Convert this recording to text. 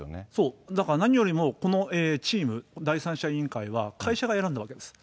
だから何よりもこのチーム、第三者委員会は、会社が選んだわけです。